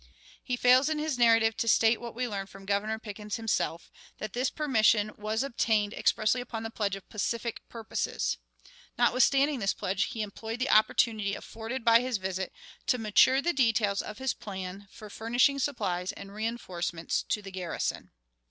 He fails, in his narrative, to state what we learn from Governor Pickens himself, that this permission was obtained "expressly upon the pledge of 'pacific purposes.'" Notwithstanding this pledge, he employed the opportunity afforded by his visit to mature the details of his plan for furnishing supplies and reënforcements to the garrison.